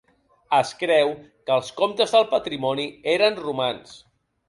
Es creu que els comtes del patrimoni eren romans.